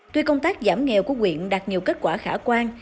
tuy công tác giảm nghèo của quyện đạt nhiều kết quả khả quan